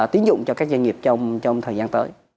tín dụng cho các doanh nghiệp trong thời gian tới